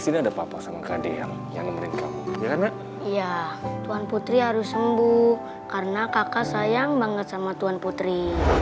iya tuan putri harus sembuh karena kakak sayang banget sama tuan putri